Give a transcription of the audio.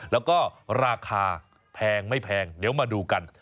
แล้วก็ราคาแพงไม่แพงเดี๋ยวมาดูกัน